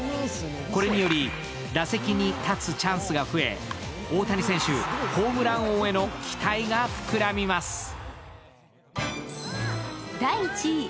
これにより打席に立つチャンスが増え、大谷選手、ホームラン王への期待が膨らみます。